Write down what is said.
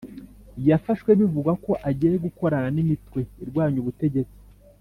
yafashwe bivugwa ko agiye gukorana n’imitwe irwanya ubutegetsi